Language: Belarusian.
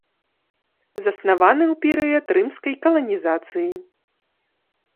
Заснаваны ў перыяд рымскай каланізацыі.